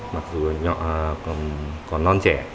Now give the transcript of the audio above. mặc dù còn non trẻ